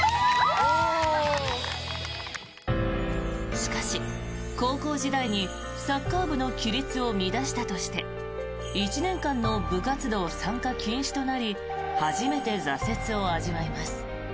しかし、高校時代にサッカー部の規律を乱したとして１年間の部活動参加禁止となり初めて挫折を味わいます。